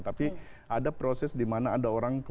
tapi ada proses dimana ada orang